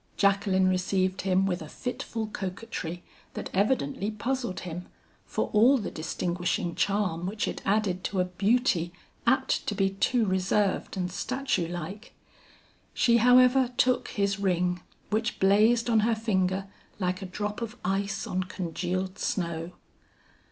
Jacqueline received him with a fitful coquetry that evidently puzzled him, for all the distinguishing charm which it added to a beauty apt to be too reserved and statue like. She however took his ring which blazed on her finger like a drop of ice on congealed snow.